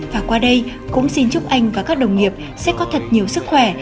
và qua đây cũng xin chúc anh và các đồng nghiệp sẽ có thật nhiều sức khỏe